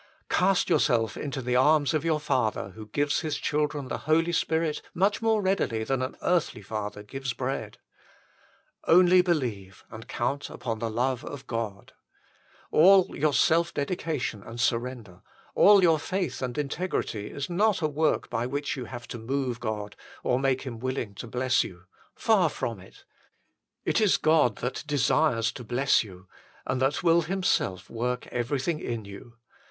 Cast yourself into the arms of your Father who gives His children the Holy Spirit much more readily than an earthly father gives bread. Only believe, and count upon THE LOVE OF GOD. All your self dedication and surrender, all your faith and integrity is not a work by which you have to move God or make Him willing to bless you. HOW FULLY IT IS ASSURED TO US BY GOD 149 Far from it. It is God that desires to bless you, and that will Himself work everything in you.